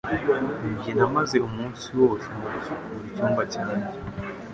Njye namaze umunsi wose mu gusukura icyumba cyanjye.